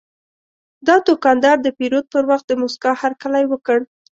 دا دوکاندار د پیرود پر وخت د موسکا هرکلی وکړ.